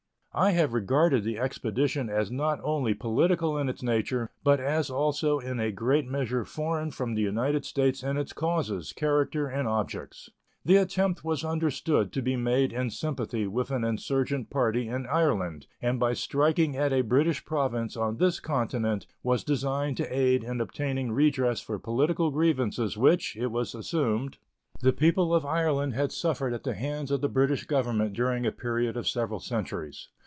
I have regarded the expedition as not only political in its nature, but as also in a great measure foreign from the United States in its causes, character, and objects. The attempt was understood to be made in sympathy with an insurgent party in Ireland, and by striking at a British Province on this continent was designed to aid in obtaining redress for political grievances which, it was assumed, the people of Ireland had suffered at the hands of the British Government during a period of several centuries.